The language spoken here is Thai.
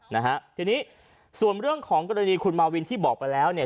นะฮะทีนี้ส่วนเรื่องของกรณีคุณมาวินที่บอกไปแล้วเนี่ย